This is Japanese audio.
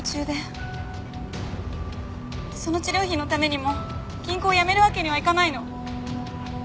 その治療費のためにも銀行を辞めるわけにはいかないの。